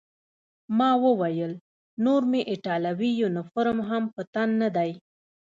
ما وویل: نور مې ایټالوي یونیفورم هم په تن نه دی.